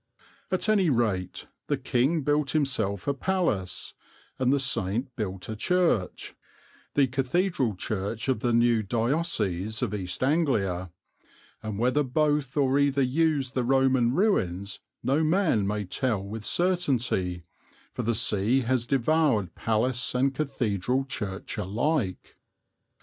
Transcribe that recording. At any rate the King built himself a palace, and the saint built a church, the cathedral church of the new diocese of East Anglia; and whether both or either used the Roman ruins no man may tell with certainty, for the sea has devoured palace and cathedral church alike.